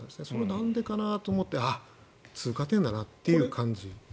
なんでかなと思ってあ、通過点だなっていう感じ。